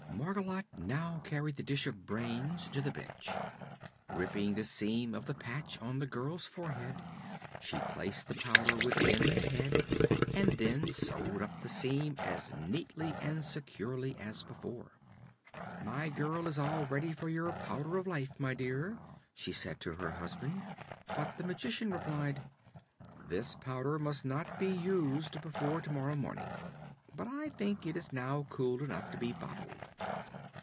Margolotte now carried the dish of brains to the bench. Ripping the seam of the patch on the girl's forehead, she placed the powder within the head and then sewed up the seam as neatly and securely as before. "My girl is all ready for your Powder of Life, my dear," she said to her husband. But the Magician replied: "This powder must not be used before to morrow morning; but I think it is now cool enough to be bottled."